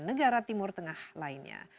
negara timur tengah lainnya